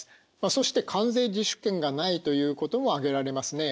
そして関税自主権がないということも挙げられますね。